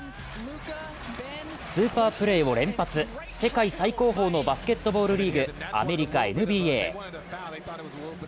スーパープレーを連発、世界最高峰のバスケットボールリーグ、アメリカＮＢＡ。